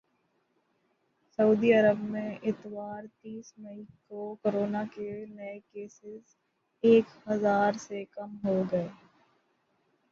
سعودی عرب میں اتوار تیس مئی کو کورونا کے نئے کیسز ایک ہزار سے کم ہوگئے